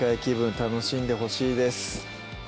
楽しんでほしいです